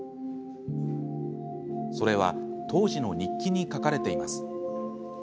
それは当時の日記に書かれています。